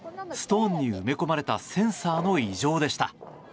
ストーンに埋め込まれたセンサーの異常でした。